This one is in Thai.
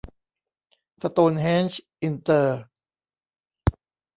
สโตนเฮ้นจ์ อินเตอร์